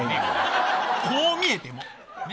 こう見えても。